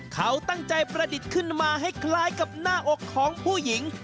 เขาตั้งใจประดิษฐ์ขึ้นมาให้คล้ายกับหน้าอกของผู้หญิง